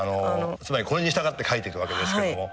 つまりこれに従って書いていくわけですけども。